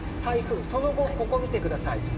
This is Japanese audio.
その後、ここを見てください。